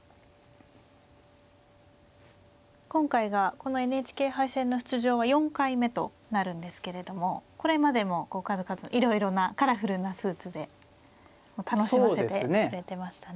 今回がこのＮＨＫ杯戦の出場は４回目となるんですけれどもこれまでも数々いろいろなカラフルなスーツで楽しませてくれてましたね。